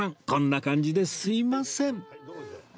こんな感じですいません